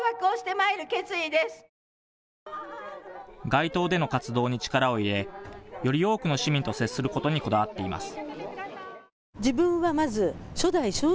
街頭での活動に力を入れ、より多くの市民と接することにこだわっています。